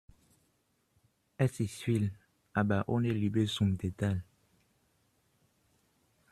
Es ist viel, aber ohne Liebe zum Detail.